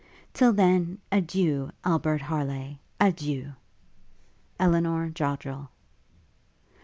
Till then, adieu, Albert Harleigh, adieu! 'ELINOR JODDREL.'